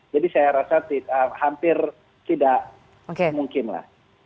saya rasa hampir tidak mungkin lah